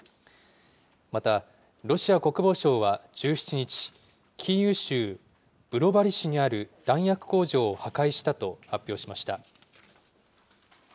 また、ロシア国防省は１７日、キーウ州ブロバリ市にある弾薬工場を破壊したと発表しました。